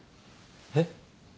えっ？